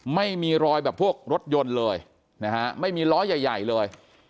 ไม่มีรอยแบบพวกรถยนต์เลยนะฮะไม่มีล้อใหญ่ใหญ่เลย